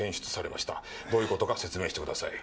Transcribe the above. どういうことか説明してください。